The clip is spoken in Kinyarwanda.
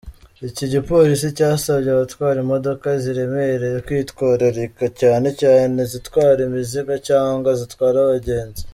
Iki gipolisi cyasabye abatwara imodoka ziremereye kwitwararika, cyane cyane izitwara imizigo cyangwa zitwara abagenzi.